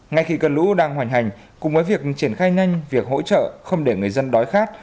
ngay khi cơn lũ đang hoành hành cùng với việc triển khai nhanh việc hỗ trợ không để người dân đói khát